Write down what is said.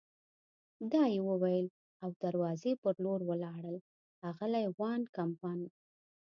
دا یې وویل او د دروازې په لور ولاړل، اغلې وان کمپن.